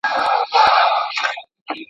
ساینسي علوم پر لابراتواري ازموینو تکیه کوي.